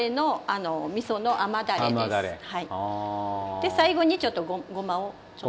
で最後にちょっとごまをちょっと。